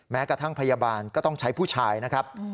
แม้กระทั่งพยาบาลก็ต้องใช้ผู้ชายนะครับ